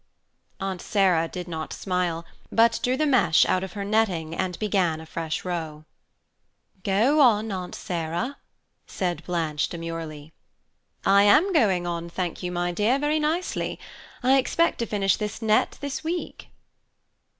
Aunt Sarah did not smile, but drew the mesh out of her netting and began a fresh row. "Go on, Aunt Sarah," said Blanche demurely. "I am going on, thank you, my dear, very nicely; I expect to finish this net this week."